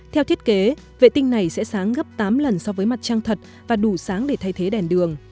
theo thiết kế vệ tinh này sẽ sáng gấp tám lần so với mặt trăng thật và đủ sáng để thay thế đèn đường